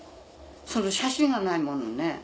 その写真がないものね